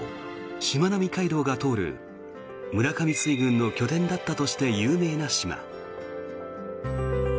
しまなみ海道が通る村上水軍の拠点だったとして有名な島。